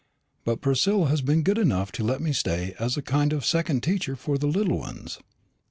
But Priscilla has been good enough to let me stay as a kind of second teacher for the little ones.